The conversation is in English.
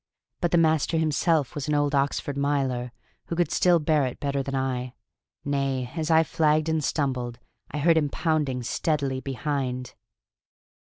But the master himself was an old Oxford miler, who could still bear it better than I; nay, as I flagged and stumbled, I heard him pounding steadily behind.